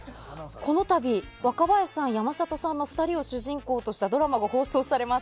このたび若林さん、山里さんの２人を主人公にしたドラマが放送されます。